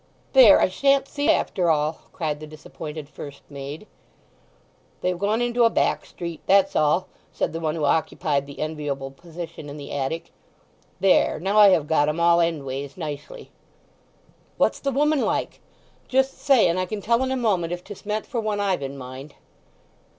"There—I shan't see, after all!" cried the disappointed first maid. "They have gone into a back street—that's all," said the one who occupied the enviable position in the attic. "There—now I have got 'em all endways nicely!" "What's the woman like? Just say, and I can tell in a moment if 'tis meant for one I've in mind."